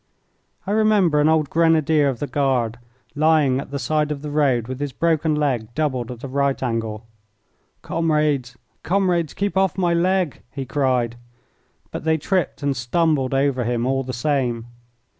I remember an old Grenadier of the Guard lying at the side of the road with his broken leg doubled at a right angle. "Comrades, comrades, keep off my leg!" he cried, but they tripped and stumbled over him all the same.